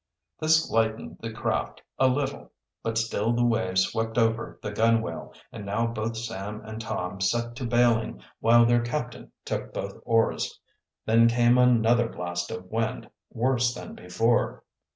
This lightened the craft a little, but still the waves swept over the gunwale, and now both Sam and Tom set to bailing, while the captain took both oars. Then came another blast of wind, worse than before.